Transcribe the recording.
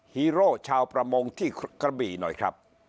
ฮีโร่ชาวประมงที่กระบี่หน่อยครับ